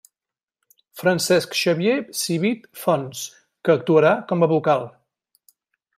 Francesc Xavier Civit Fons, que actuarà com a vocal.